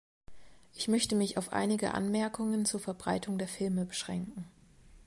Ich möchte mich auf einige Anmerkungen zur Verbreitung der Filme beschränken.